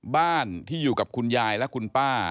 บ้านที่อยู่กับคุณยายและคุณป้า